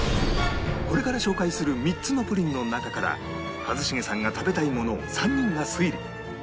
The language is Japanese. これから紹介する３つのプリンの中から一茂さんが食べたいものを３人が推理